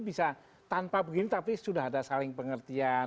bisa tanpa begini tapi sudah ada saling pengertian